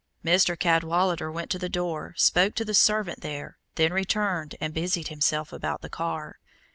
Mr. Cadwallader went to the door, spoke to the servant there, then returned and busied himself about the car.